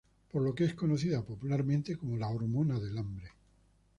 Por lo que es conocida popularmente como la ″"hormona del hambre.